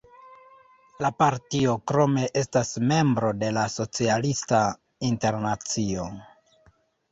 La partio krome estas membro de la Socialista Internacio.